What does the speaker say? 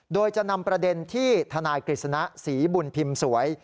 โดยจะนำประเด็นที่ทนายกฤษณะศรีบุญพิมพ์สวย